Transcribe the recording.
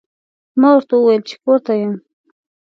ما ورته وویل چې کور ته یم.